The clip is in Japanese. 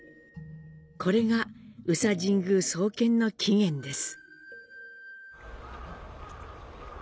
これが宇佐神宮創建の起源です。